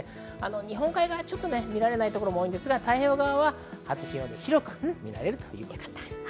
日本海側、ちょっと見られないところも多いですが太平洋側は初日の出、広く見られるということです。